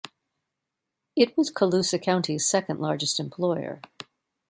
It was Colusa County's second largest employer.